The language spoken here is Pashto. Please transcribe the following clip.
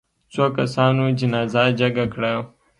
څو کسانو جنازه جګه کړه.